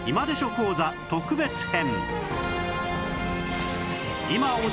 講座』特別編